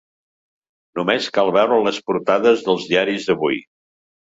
Només cal veure les portades dels diaris d’avui.